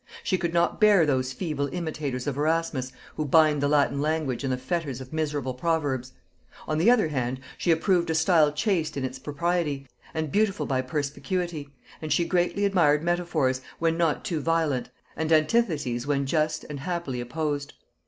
She could not bear those feeble imitators of Erasmus who bind the Latin language in the fetters of miserable proverbs; on the other hand, she approved a style chaste in its propriety, and beautiful by perspicuity, and she greatly admired metaphors, when not too violent, and antitheses when just, and happily opposed.